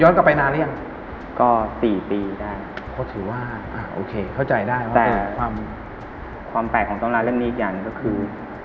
ย้อนกลับไปนานแล้วยังก็๔ปีได้เพราะถือว่าโอเคเข้าใจได้ว่าแต่ความแปลกของตำราเรื่องนี้อีกอย่างก็คือ